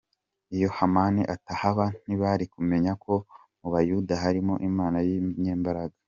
iyo Hamani atahaba ntibari kumenya ko mu bayuda harimo Imana y'inyembaraga.